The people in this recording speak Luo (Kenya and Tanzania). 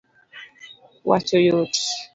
wacho yot